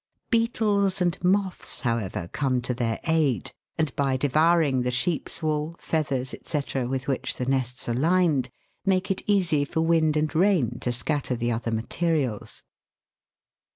Beetles and moths, however, come to their aid, and by devouring the sheep's wool, feathers, &c., with which the nests are lined, make it easy for wind and rain to scatter the other materials.